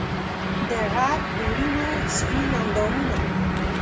دغرب د لوڼو سپین اندامونه